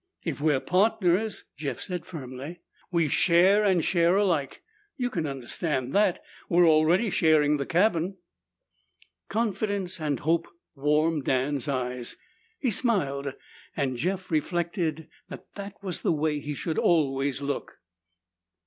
"If we're partners," Jeff said firmly, "we share and share alike. You can understand that. We're already sharing the cabin." Confidence and hope warmed Dan's eyes. He smiled, and Jeff reflected that that was the way he should always look.